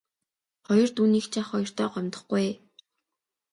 Хоёр дүү нь эгч ах хоёроо гомдоохгүй ээ.